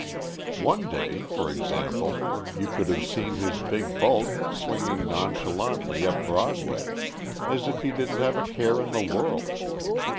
One day, for example, you could have seen his big bulk swinging nonchalantly up Broadway, as if he didn't have a care in the world.